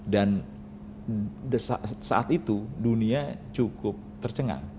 dan saat itu dunia cukup tercengang